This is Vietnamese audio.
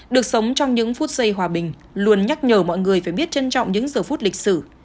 được sống trong những phút giây hòa bình luôn nhắc nhở mọi người phải biết trân trọng những giờ phút lịch sử